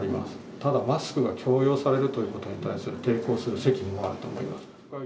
ただ、マスクが強要されるということに対する抵抗する責務もあると思います。